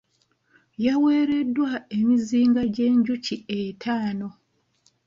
Yaweereddwa emizinga gy'enjuki ettaano .